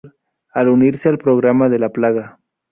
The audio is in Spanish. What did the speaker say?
A unirse al programa de la Plaga.